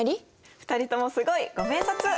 ２人ともすごい！ご明察！